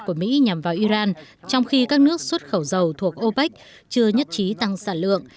của mỹ nhằm vào iran trong khi các nước xuất khẩu dầu thuộc opec chưa nhất trí tăng sản lượng